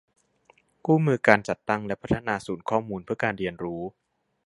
คู่มือการจัดตั้งและพัฒนาศูนย์ข้อมูลเพื่อการเรียนรู้